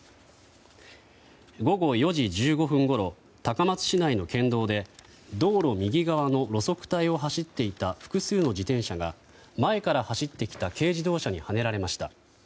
午後４時１５分ごろ高松市内の県道で道路右側の路側帯を走っていた複数の自転車が前から走ってきた軽自動車にはねられました。